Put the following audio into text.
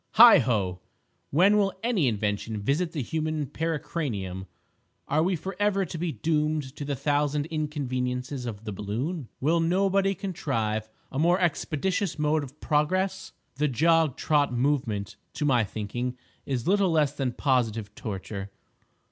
Heigho! when will any Invention visit the human pericranium? Are we forever to be doomed to the thousand inconveniences of the balloon? Will nobody contrive a more expeditious mode of progress? The jog trot movement, to my thinking, is little less than positive torture.